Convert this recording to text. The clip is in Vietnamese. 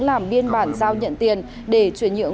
làm biên bản giao nhận tiền